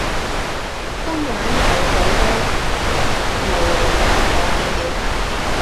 官話有好多模棱兩可嘅表達